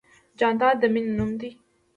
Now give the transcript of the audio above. جانداد د مینې نوم دی.